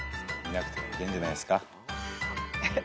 見なくてもいいんじゃないですか。